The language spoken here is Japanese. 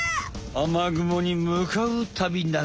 雨雲にむかう旅なんす。